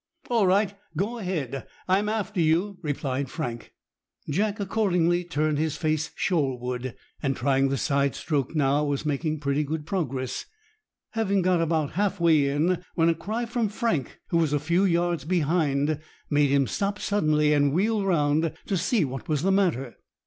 "All right! Go ahead; I'm after you," replied Frank. Jack accordingly turned his face shoreward, and, trying the side stroke now, was making pretty good progress, having got about half way in, when a cry from Frank, who was a few yards behind, made him stop suddenly and wheel round to see what was the matter.